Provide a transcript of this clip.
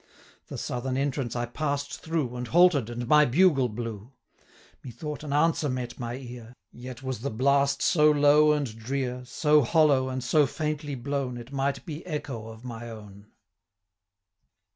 The southern entrance I pass'd through, And halted, and my bugle blew. Methought an answer met my ear, Yet was the blast so low and drear, 400 So hollow, and so faintly blown, It might be echo of my own.